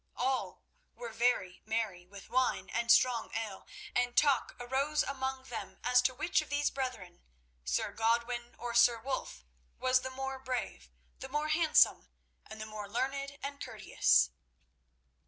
All were very merry with wine and strong ale, and talk arose among them as to which of these brethren—Sir Godwin or Sir Wulf—was the more brave, the more handsome, and the more learned and courteous.